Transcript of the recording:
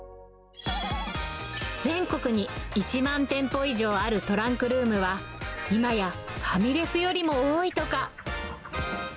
全国に１万店舗以上あるトランクルームは、今やファミレスよりも多いとか。